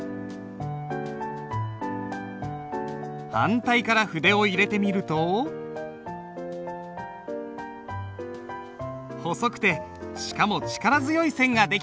反対から筆を入れてみると細くてしかも力強い線が出来た。